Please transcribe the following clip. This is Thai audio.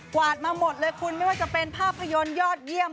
วาดมาหมดเลยคุณไม่ว่าจะเป็นภาพยนตร์ยอดเยี่ยม